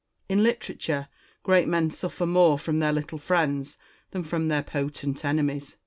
In literature, great men suffer more from their little friends than from their potent enemies.